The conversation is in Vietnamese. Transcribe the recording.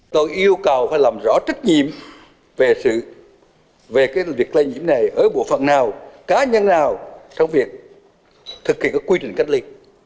tôi yêu cầu phải làm rõ trách nhiệm về việc lây nhiễm này ở bộ phận nào cá nhân nào trong việc thực hiện các quy trình cách ly